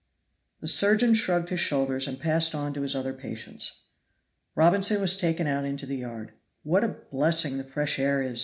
The surgeon shrugged his shoulders and passed on to his other patients. Robinson was taken out into the yard. "What a blessing the fresh air is!"